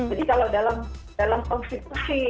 jadi kalau dalam konstitusi